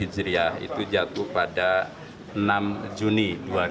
satu ratus tiga puluh tujuh hijriah itu jatuh pada enam juni dua ribu enam belas